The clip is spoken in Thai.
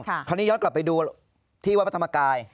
คราวนี้ย้อนกลับไปดูที่วัดพระธรรมกาย